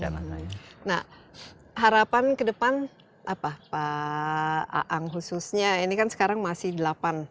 nah harapan ke depan pak ang khususnya ini kan sekarang masih delapan jumlah